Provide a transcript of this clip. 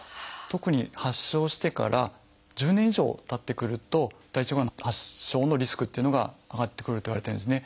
特に発症してから１０年以上たってくると大腸がんの発症のリスクっていうのが上がってくるといわれてるんですね。